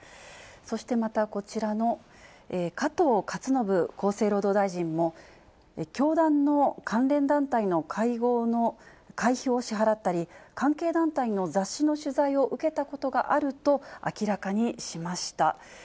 そしてまたこちらの、加藤勝信厚生労働大臣も、教団の関連団体の会合の会費を支払ったり、関係団体の雑誌の取材を受けたことがあると明らかにしました。